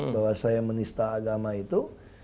bahwa saya menista agama itu